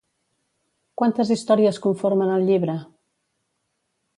Quantes històries conformen el llibre?